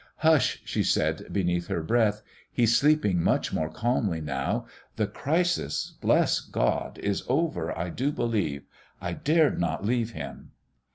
"Hush," she said beneath her breath; "he's sleeping much more calmly now. The crisis, bless God, is over, I do believe. I dared not leave him."